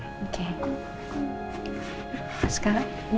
sekarang mau kemana sih kamu